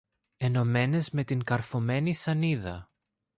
ενωμένες με την καρφωμένη σανίδα.